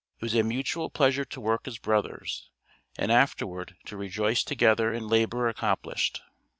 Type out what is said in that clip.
It was a mutual pleasure to work as brothers, and afterward to rejoice together in labor accomplished.